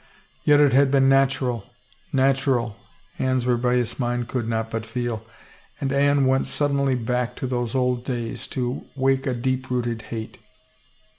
Yet it had been natural, natural, Anne's rebellious mind could not but feel, and Anne went suddenly back to those old days to wake a deep rooted hate.